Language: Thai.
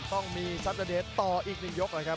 ต้องมีจัดเสด็จต่ออีก๑ยกเลยครับ